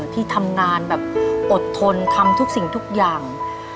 ที่ทำงานแบบอดทนทำทุกสิ่งทุกอย่าง